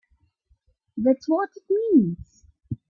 That's what it means!